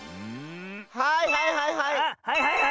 はいはいはいはい！